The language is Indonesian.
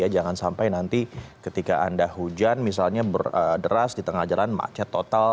jangan sampai nanti ketika anda hujan misalnya berderas di tengah jalan macet total